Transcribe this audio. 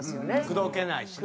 口説けないしな。